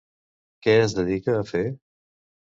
Què es dedica a fer?